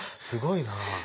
すごいなあ。